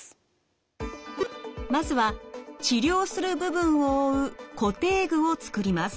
まずは治療する部分を覆う固定具を作ります。